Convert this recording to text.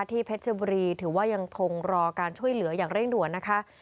เพชรบุรีถือว่ายังคงรอการช่วยเหลืออย่างเร่งด่วนนะคะ